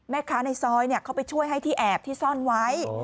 ในซอยเขาไปช่วยให้ที่แอบที่ซ่อนไว้